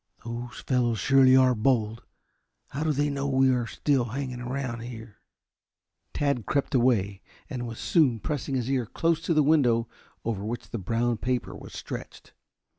Those fellows surely are bold. How do they know but we are still hanging around here?" Tad crept away and was soon pressing his ear close to the window over which the brown paper was stretched.